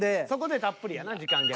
そこでたっぷりやな時間。